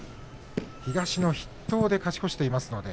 東の筆頭で勝ち越しています。